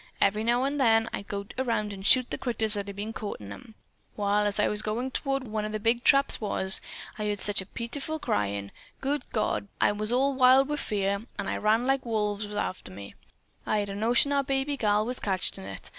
Then, every few days, I'd go the round and shoot the critters that had been caught in 'em. Wall, as I was goin' toward whar one of them big traps was. I heard sech a pitiful cryin'. Good God, but I was wild wi' fear, an' I ran like wolves was arter me. I'd a notion our baby gal was catched in it.